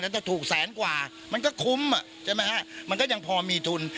จะถูกแสนกว่ามันก็คุ้มใช่ไหมฮะมันก็ยังพอมีทุน